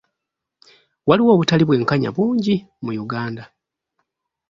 Waliwo obutali bwenkanya bungi mu Uganda.